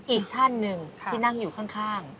อีกท่านหนึ่งที่นั่งอยู่ข้าง